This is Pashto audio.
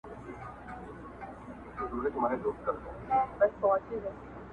یو څو ورځي بېغمي وه په کورو کي٫